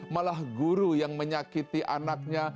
malah guru yang menyakiti anaknya